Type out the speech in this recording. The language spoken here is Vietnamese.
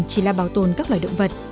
chỉ là bảo tồn các loài động vật